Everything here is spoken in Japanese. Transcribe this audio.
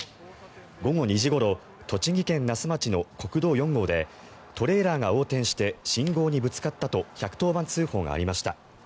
午後２時ごろ栃木県那須町の国道４号でトレーラーが横転して信号にぶつかったと１１０番通報がありました。